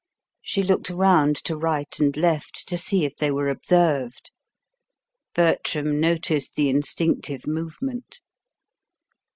She looked around to right and left, to see if they were observed. Bertram noticed the instinctive movement.